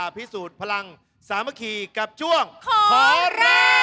พิสูจน์พลังสามคีกับจุ้งขอแรก